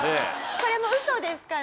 これもウソですからね。